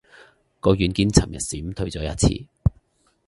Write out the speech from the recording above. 個軟件尋日閃退咗一次